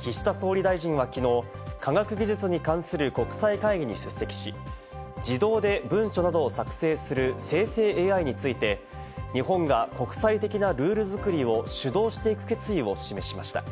岸田総理大臣はきのう、科学技術に関する国際会議に出席し、自動で文書などを作成する生成ＡＩについて日本が国際的なルール作りを主導していく決意を示しました。